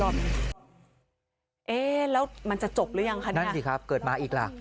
นั่นสิครับเกิดมาอีกละ